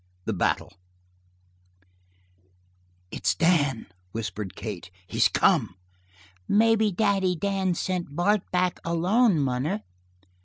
The Battle "It's Dan," whispered Kate. "He's come." "Maybe Daddy Dan sent Bart back alone, munner."